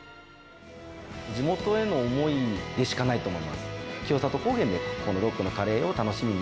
地元への思いでしかないと思います。